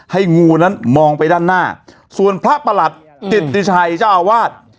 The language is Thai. งูนั้นมองไปด้านหน้าส่วนพระประหลัดจิตติชัยเจ้าอาวาส